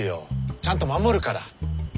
ちゃんと守るから。